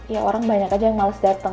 ya orang banyak aja yang males datang